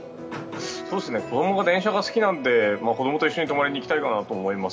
子供が電車が好きなので子供と一緒に泊まりに行きたいと思います。